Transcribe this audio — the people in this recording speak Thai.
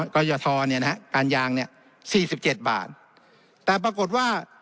กรณยธอเนี่ยนะฮะการยางเนี่ยสี่สิบเจ็ดบาทแต่ปรากฏว่า